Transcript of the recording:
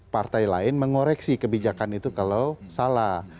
partai lain mengoreksi kebijakan itu kalau salah